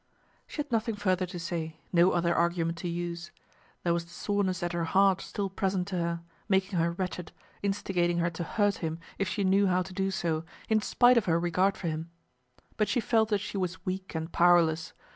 She had nothing further to say, no other argument to use. There was the soreness at her heart still present to her, making her wretched, instigating her to hurt him if she knew how to do so, in spite of her regard for him. But she felt that she was weak and powerless.